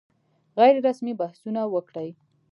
غیر رسمي بحثونه وکړي.